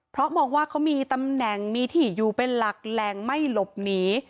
เพราะมองว่าเขามีตำแหน่งมีที่อยู่เป็นหลักแหล่งไม่หลบหนี